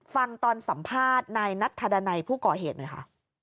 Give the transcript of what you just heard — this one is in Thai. ฟังตอนสัมภาษณ์ในณทศณพูกก่อเหตุด้วยค่ะ